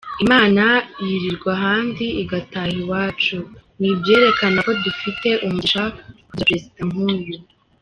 Imana yirigwa ahandi igataha i wacu, ni byerekana kondufite umugisha kujyira President huyu.